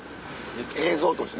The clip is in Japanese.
映像として。